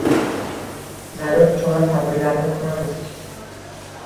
zarur chora-tadbirlarni ko‘ramiz.